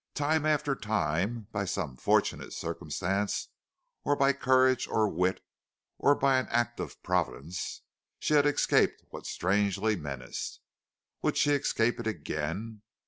Time after time by some fortunate circumstance or by courage or wit or by an act of Providence she had escaped what strangely menaced. Would she escape it again?